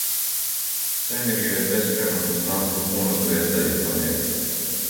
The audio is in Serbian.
Свемир је бескрајно пространство пуно звезда и планета.